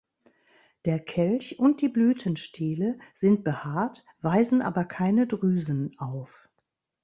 Der Kelch und die Blütenstiele sind behaart, weisen aber keine Drüsen auf.